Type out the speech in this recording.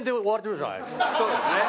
そうですね。